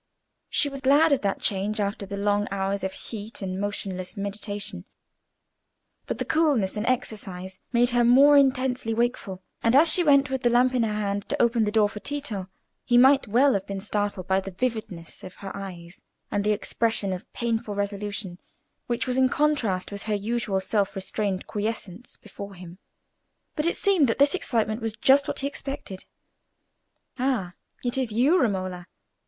She was glad of that change after the long hours of heat and motionless meditation; but the coolness and exercise made her more intensely wakeful, and as she went with the lamp in her hand to open the door for Tito, he might well have been startled by the vividness of her eyes and the expression of painful resolution, which was in contrast with her usual self restrained quiescence before him. But it seemed that this excitement was just what he expected. "Ah! it is you, Romola.